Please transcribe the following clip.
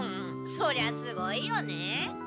そりゃすごいよね。